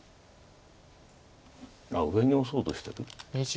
上にオソうとしてる？